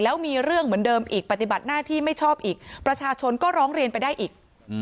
แล้วมีเรื่องเหมือนเดิมอีกปฏิบัติหน้าที่ไม่ชอบอีกประชาชนก็ร้องเรียนไปได้อีก